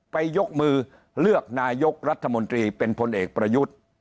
ยกมือเลือกนายกรัฐมนตรีเป็นพลเอกประยุทธ์